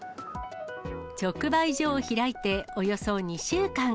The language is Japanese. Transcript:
直売所を開いておよそ２週間。